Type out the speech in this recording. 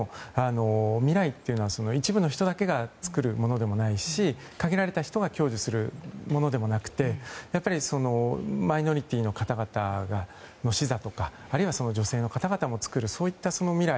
未来というのは一部の人だけが作るものでもないし限られた人が享受するものでもなくてやっぱりマイノリティーの方々の視座とかあるいは女性の方々が作る未来。